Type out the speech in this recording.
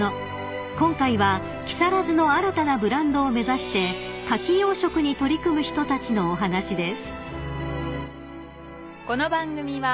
［今回は木更津の新たなブランドを目指してカキ養殖に取り組む人たちのお話です］